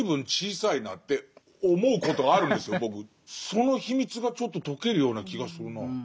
その秘密がちょっと解けるような気がするなぁ。